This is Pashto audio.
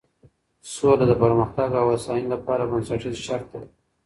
سوله د پرمختګ او هوساینې لپاره بنسټیز شرط دی.